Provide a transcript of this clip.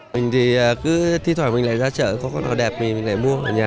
mình thì cứ thi thoải mình lại ra chợ có con nào đẹp mình lại mua ở nhà mình